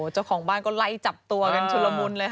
เจ้าของบ้านก็ไล่จับตัวกันชุลมุนเลย